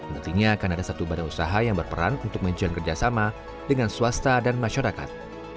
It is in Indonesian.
nantinya akan ada satu badan usaha yang berperan untuk menjalin kerjasama dengan swasta dan masyarakat